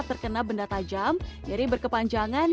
terkena benda tajam jadi berkepanjangan